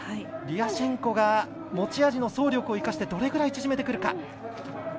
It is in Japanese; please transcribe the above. リアシェンコが持ち味の走力を生かしてどれぐらい縮めてくるか。